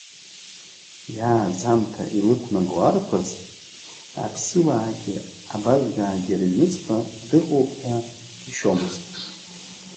Иааӡамҭа илықәнаго арԥыс аԥсилаагьы абазгаагьы рыҩнуҵҟа дыҟоуп ҳәа ишьомызт.